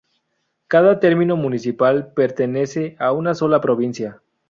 Cada termino municipal pertenece a una sola provincia.